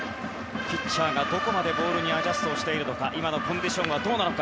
ピッチャーがどこまでボールにアジャストしてるのか今のコンディションはどうなのか。